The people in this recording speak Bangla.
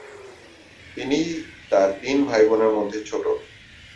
তিনি তার তিন ভাইবোনের মধ্যে ছোট।